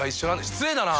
失礼だな！